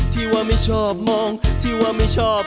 สวัสดีครับ